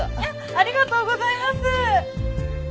ありがとうございます。